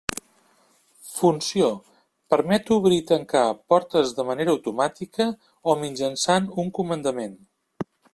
Funció: permet obrir i tancar portes de manera automàtica o mitjançant un comandament.